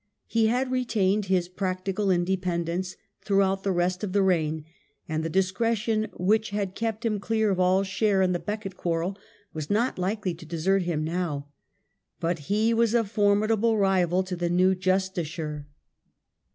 He had retained his practical independence throughout the rest of the reign, and the discretion which had kept him clear of all share in the Becket quarrel was not likely to desert him now. But he was a formidable rival to the new justiciar.